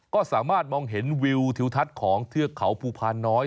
ก็สามารถมองเห็นวิวทิวทัศน์ของเทือกเขาภูพานน้อย